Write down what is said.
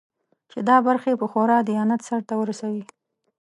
چې دا برخې په خورا دیانت سرته ورسوي.